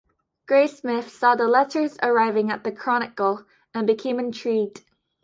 Graysmith saw the letters arriving at "The Chronicle" and became intrigued.